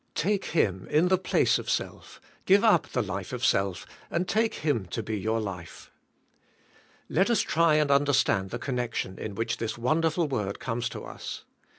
Take Him in the place of self, give up the life of self and take Him to be your life. Let us try and understand the connection in which this wonderful word comes to us.